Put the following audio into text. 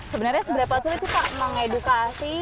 sebenarnya seberapa sulit untuk mengedukasi